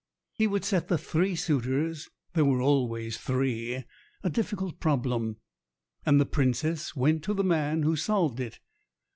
He would set the three suitors there were always three a difficult problem, and the Princess went to the man who solved it.